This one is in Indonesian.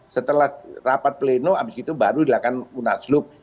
setelah rapat pleno abis itu baru dilakukan munaslup